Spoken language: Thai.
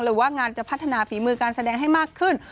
หรือว่างานจะพัฒนาฝีมือการแสดงให้มากขึ้น